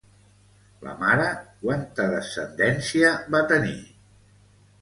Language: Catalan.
La mare, quanta descendència va tenir?